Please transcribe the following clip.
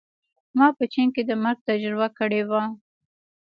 ما په چین کې د مرګ تجربه کړې وه